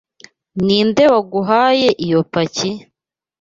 Ninde waguhaye iyo paki?